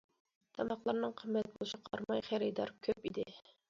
تاماقلىرىنىڭ قىممەت بولۇشىغا قارىماي، خېرىدارى كۆپ ئىدى.